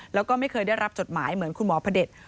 แล้วก็ไม่เคยได้รับจดหมายเหมือนคุณหมอพระเด็จ